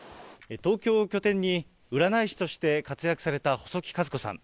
東京を拠点に占い師として活躍された細木数子さん。